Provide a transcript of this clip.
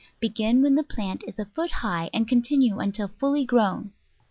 Begin when the plant is a foot high, and continue until fully grown.